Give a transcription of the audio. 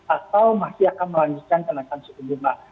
atau masih akan melanjutkan menaikkan fasilitasi bunga